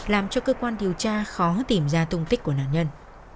làm cho cơ quan điều tra khó tìm ra tung tích của nạn nhân